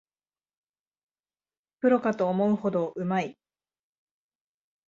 プロかと思うほどうまい